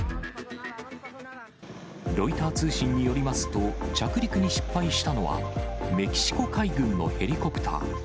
ロイター通信によりますと、着陸に失敗したのは、メキシコ海軍のヘリコプター。